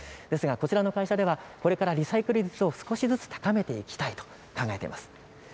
こちらの会社ではこれからリサイクル率を少しずつ高めていきたいと考えています。